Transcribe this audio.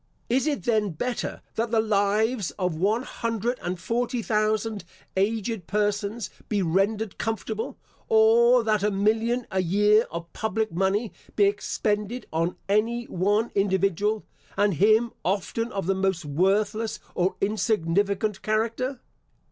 Is it, then, better that the lives of one hundred and forty thousand aged persons be rendered comfortable, or that a million a year of public money be expended on any one individual, and him often of the most worthless or insignificant character?